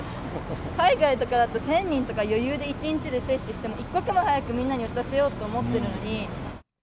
海外とかだと、１０００人とか余裕で、１日で接種して、一刻も早くみんなに打たせようと思っているのに。